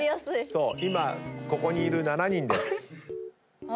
今ここにいる７人です。